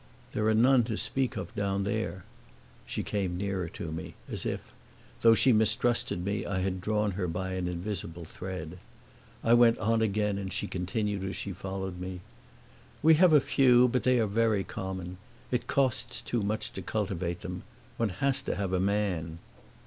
"There are none to speak of down there." She came nearer to me, as if, though she mistrusted me, I had drawn her by an invisible thread. I went on again, and she continued as she followed me: "We have a few, but they are very common. It costs too much to cultivate them; one has to have a man."